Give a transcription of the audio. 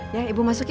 ya ibu masuk ya